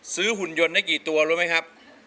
หุ่นยนต์ได้กี่ตัวรู้ไหมครับ